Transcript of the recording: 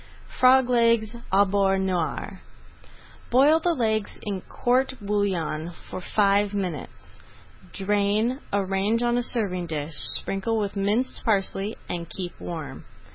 FROG LEGS AU BEURRE NOIR Boil the legs in court bouillon for five minutes. Drain, arrange on a serving dish, sprinkle with minced parsley, and keep warm.